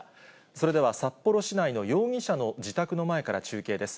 それでは札幌市内の容疑者の自宅の前から中継です。